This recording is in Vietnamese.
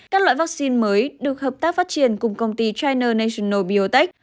các loại vaccine mới được hợp tác phát triển cùng công ty china national biotech